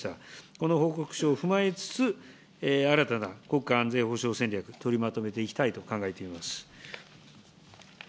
この報告書を踏まえつつ、新たな国家安全保障戦略、取りまとめていきたいと考えています。